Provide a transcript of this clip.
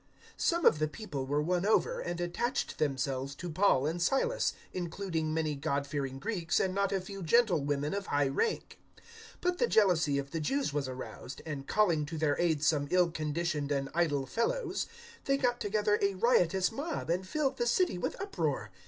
017:004 Some of the people were won over, and attached themselves to Paul and Silas, including many God fearing Greeks and not a few gentlewomen of high rank. 017:005 But the jealousy of the Jews was aroused, and, calling to their aid some ill conditioned and idle fellows, they got together a riotous mob and filled the city with uproar.